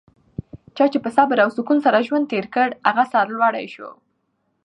چا چي په صبر او سکون سره ژوند تېر کړ؛ هغه سرلوړی سو.